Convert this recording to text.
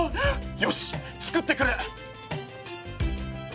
よし作ってくる！